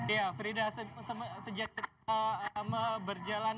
ya frida sejak berjalan